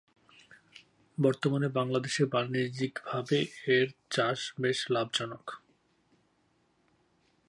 বর্তমানে বাংলাদেশে বাণিজ্যিকভাবে এর চাষ বেশ লাভজনক।